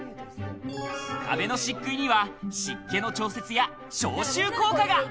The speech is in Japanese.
壁の漆喰には湿気の調節や消臭効果が。